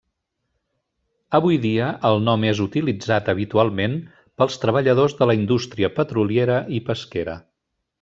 Avui dia el nom és utilitzat habitualment pels treballadors de la indústria petroliera i pesquera.